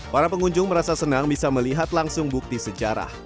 para pengunjung merasa senang bisa melihat langsung bukti sejarah